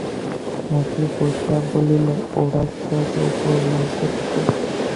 মতি বসিয়া বলিল, ওরা ছিল যে, গোলমাল করত।